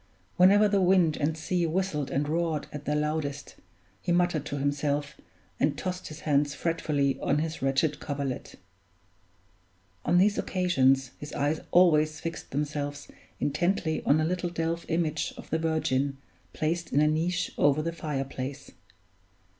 Whenever the wind and sea whistled and roared at their loudest, he muttered to himself and tossed his hands fretfully on his wretched coverlet. On these occasions his eyes always fixed themselves intently on a little delf image of the Virgin placed in a niche over the fire place.